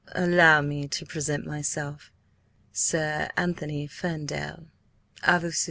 "Allow me to present myself: Sir Anthony Ferndale, à vous servir!"